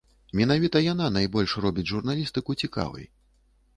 Менавіта яна найбольш робіць журналістыку цікавай.